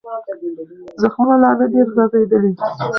زخمونه لا نه دي رغېدلي.